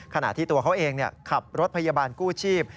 ขณะที่ตัวเขาเองขับรถพยาบาลกู้ชีพ